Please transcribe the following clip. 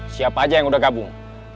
siapa aja yang udah gabung